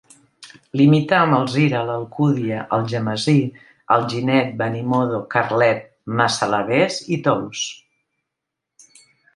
Limita amb Alzira, l'Alcúdia, Algemesí, Alginet, Benimodo, Carlet, Massalavés i Tous.